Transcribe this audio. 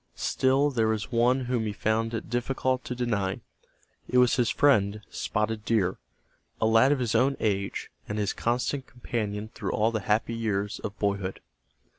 Still there was one whom he found it difficult to deny. It was his friend, Spotted Deer, a lad of his own age, and his constant companion through all the happy years of boyhood.